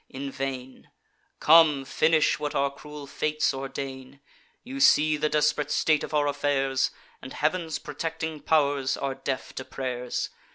in vain: Come, finish what our cruel fates ordain. You see the desp'rate state of our affairs, And heav'n's protecting pow'rs are deaf to pray'rs.